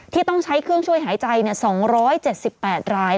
ต้องใช้เครื่องช่วยหายใจ๒๗๘ราย